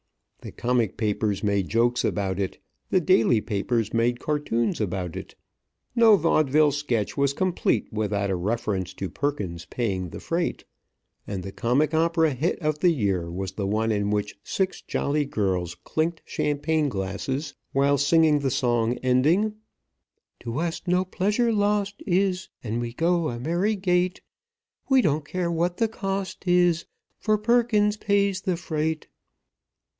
The comic papers made jokes about it, the daily papers made cartoons about it, no vaudeville sketch was complete without a reference to Perkins paying the freight, and the comic opera hit of the year was the one in which six jolly girls clinked champagne glasses while singing the song ending: "To us no pleasure lost is, And we go a merry gait; We don't care what the cost is, For Perkins pays the freight."